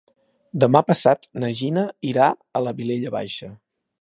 Demà passat na Gina irà a la Vilella Baixa.